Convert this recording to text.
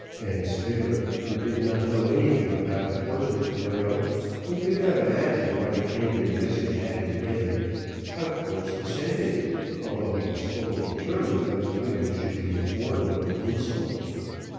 Van Spitter, who did not know anything about the Portsmouth widow, and could not imagine why the angry message had been given, of course assented, although he was fully determined that the widow should be informed of the insult.